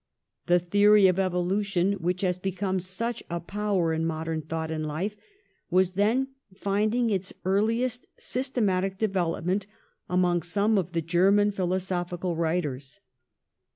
The theory of evolution, which has become such a power in modern thought and life, was then finding its earliest systematic development among some of the German philosophical writers.